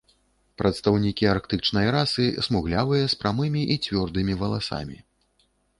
Прадстаўнікі арктычнай расы смуглявыя, з прамымі і цвёрдымі валасамі.